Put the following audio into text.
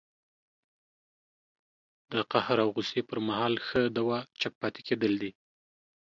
د قهر او غوسې پر مهال ښه دوا چپ پاتې کېدل دي